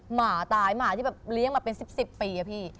หมาตายหมาที่แบบเลี้ยงมาเป็น๑๐ปีอะพี่